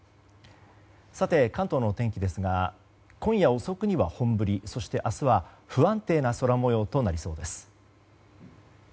関東のお天気ですが今夜遅くには本降りそして明日は不安定な空模様となりそうです。